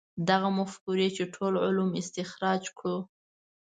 دغې مفکورې چې ټول علوم استخراج کړو.